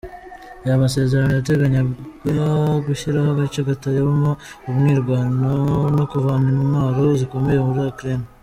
Ayo masezerano yateganyaga gushyiraho agace kataberamo imirwano no kuvana iintwaro zikomeye muri Ukraine.